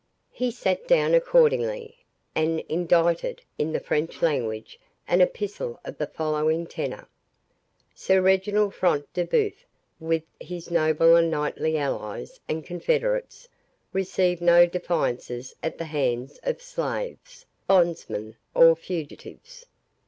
He sat down accordingly, and indited, in the French language, an epistle of the following tenor:—"Sir Reginald Front de Bœuf, with his noble and knightly allies and confederates, receive no defiances at the hands of slaves, bondsmen, or fugitives.